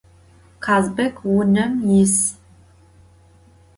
Kazbek vunem yis.